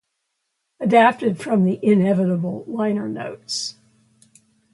Adapted from the "Inevitable" liner notes.